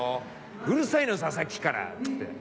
「うるさいのささっきから！」っつって。